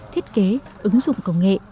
thiết kế ứng dụng công nghệ